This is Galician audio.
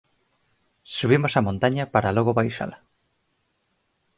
Subimos a montaña para logo baixala.